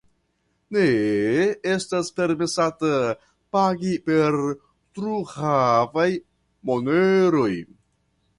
Ne estas permesate pagi per truhavaj moneroj.